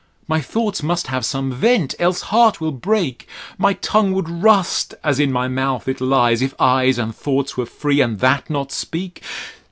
My thoughts must have some vent: else heart will break. My tongue would rust as in my mouth it lies, If eyes and thoughts were free, and that not speak.